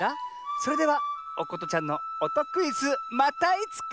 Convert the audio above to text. それではおことちゃんのおとクイズまたいつか！